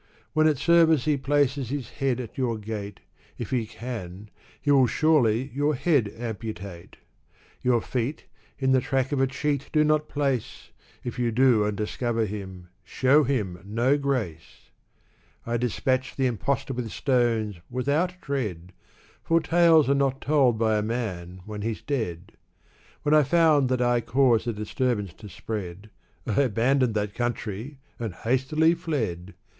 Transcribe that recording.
When at service he places his head at your gate, If he can, he will surely your head amputate ! Your feet, in the track of a cheat do not place [ If you do, and discover him, show him no grace ! I despatched the impostor with stones, without dread, Vox tales are not told by a man when he *s dead. When I found that I caused a disturbance to spread, I abandoned that country and hastily fled.